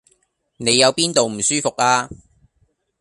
你有邊度唔舒服呀？